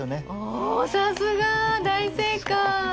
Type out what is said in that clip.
おおさすが大正解！